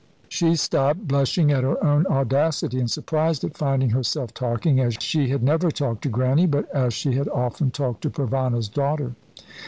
She stopped, blushing at her own audacity, and surprised at finding herself talking as she had never talked to Grannie, but as she had often talked to Provana's daughter.